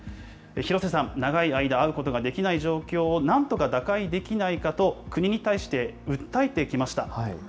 廣瀬さん、長い間、会うことができない状況をなんとか打開できないかと、国に対して訴えてきました。